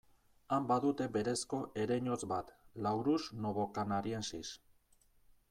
Han badute berezko ereinotz bat, Laurus novocanariensis.